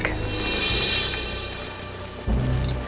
beruntungnya seorang putriku mempunyai seorang putriku